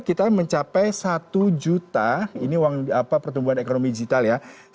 kita mencapai satu juta ini uang pertumbuhan ekonomi digital ya